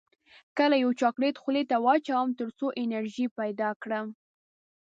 کله یو چاکلیټ خولې ته واچوم تر څو انرژي پیدا کړم